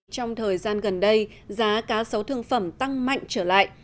trong thời gian gần đây giá cá sấu thương phẩm tăng mạnh trở lại